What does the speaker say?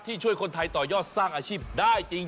ช่วยคนไทยต่อยอดสร้างอาชีพได้จริง